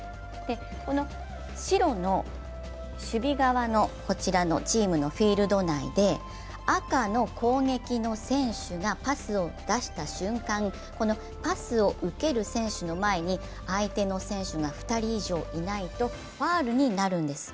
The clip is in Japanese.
白の守備側のこちらのチームのフィールド内で赤の攻撃の選手がパスを出した瞬間、パスを受ける選手の前に相手の選手が２人以上いないとファウルになるんです。